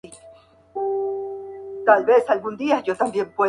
Se encuentra en el sur de China, norte de Vietnam y norte de Laos.